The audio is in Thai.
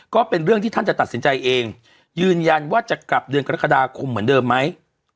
ก็เป็นเรื่องที่ท่านจะตัดสินใจเองยืนยันว่าจะกลับเดือนกรกฎาคมเหมือนเดิมไหม